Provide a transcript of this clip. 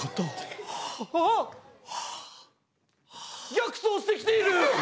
逆走してきている！